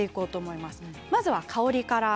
まずは香りからです。